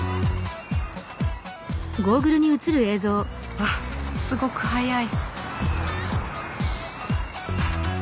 わっすごく速い。